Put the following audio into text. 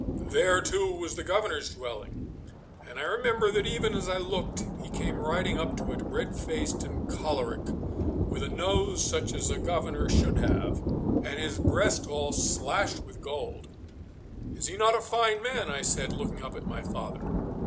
There, too, was the Governor's dwelling, and I remember that even as I looked he came riding up to it, red faced and choleric, with a nose such as a Governor should have, and his breast all slashed with gold. 'Is he not a fine man?' I said, looking up at my father.